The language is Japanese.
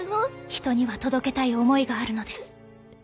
人には届けたい思いがあるのです。